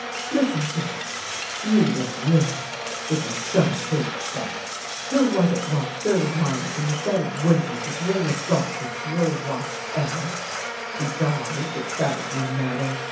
Listen to me I You, there, Muroc, with your charcoal face, who was it walk thirty miles in the dead of winter to bring a doctor to your wife, eh ? She die, but that is no matter.